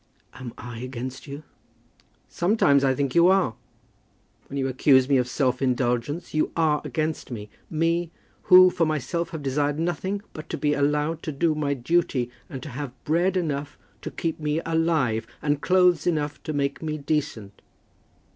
"Am I against you?" "Sometimes I think you are. When you accuse me of self indulgence you are against me, me, who for myself have desired nothing but to be allowed to do my duty, and to have bread enough to keep me alive, and clothes enough to make me decent."